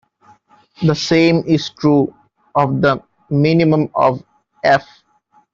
The same is true of the minimum of "f".